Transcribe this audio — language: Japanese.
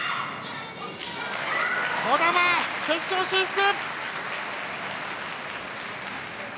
児玉、決勝進出！